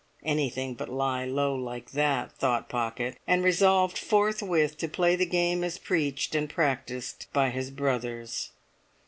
Anything but lie low like that, thought Pocket, and resolved forthwith to play the game as preached and practised by his brothers.